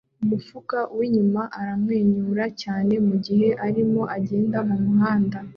Umufuka winyuma aramwenyura cyane mugihe arimo agenda mumuhanda